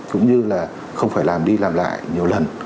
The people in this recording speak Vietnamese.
cũng như là không phải làm đi làm lại nhiều lần